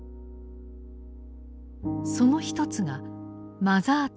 その一つがマザー・テレサ。